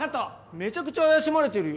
めちゃくちゃ怪しまれてるよ。